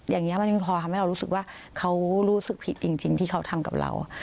อย่างนี้มันยังพอทำให้เรารู้สึกว่าเขารู้สึกผิดจริงที่เขาทำกับเรา